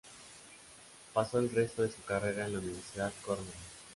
Pasó el resto de su carrera en la Universidad Cornell.